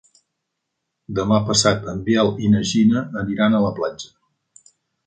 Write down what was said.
Demà passat en Biel i na Gina aniran a la platja.